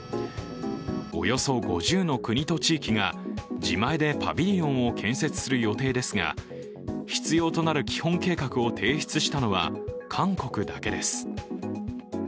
およそ５０の国と地域が自前でパビリオンを建設する予定ですが必要となる基本計画を提出したのは韓国だけです。